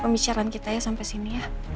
pembicaraan kita ya sampai sini ya